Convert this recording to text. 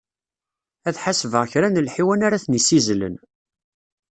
Ad ḥasbeɣ kra n lḥiwan ara ten-issizzlen.